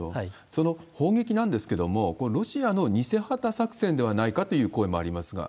その砲撃なんですけれども、ロシアの偽旗作戦ではないかという声もありますが。